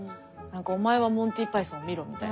お前はモンティ・パイソンを見ろみたいな。